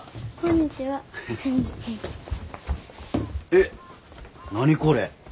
えっ何これ。